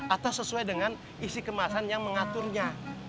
atau sesuai dengan isi kemasan yang mengaturnya